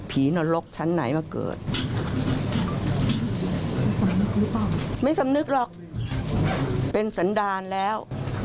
นรกชั้นไหนมาเกิดหรือเปล่าไม่สำนึกหรอกเป็นสันดารแล้ว